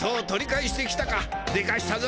でかしたぞ